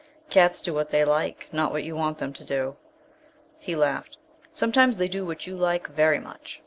Cats do what they like, not what you want them to do." He laughed. "Sometimes they do what you like very much.